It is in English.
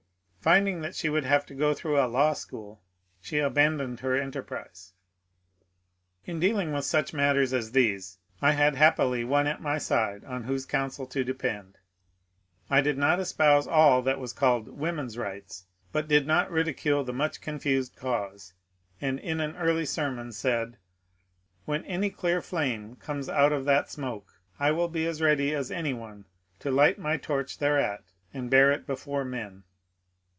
Finding that she would have to go through a law school, she abandoned her enterprise. In dealing with such matters as these, I had happily one at my side on whose counsel to depend. I did not espouse all that was called ^^ Woman's Bights," but did not ridicule the much confused cause, and in an early sermon said :^^ When any clear flame comes out of that smoke I will be as ready as any one to light my torch thereat and bear it before men."